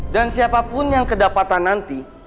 dan siapapun yang kedapatan nanti